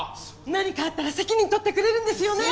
何かあったら責任取ってくれるんですよね？